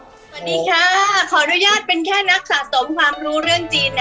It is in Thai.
สวัสดีค่ะขออนุญาตเป็นแค่นักสะสมความรู้เรื่องจีนนะ